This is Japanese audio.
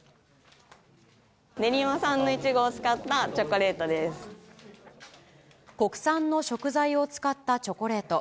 練馬産のイチゴを使ったチョ国産の食材を使ったチョコレート。